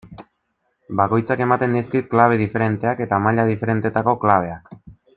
Bakoitzak ematen dizkit klabe diferenteak, eta maila diferentetako klabeak.